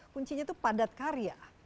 kuncinya itu padat karya